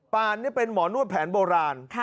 ปานนี่เป็นหมอนวดแผนโบราณ